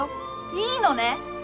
いいのね？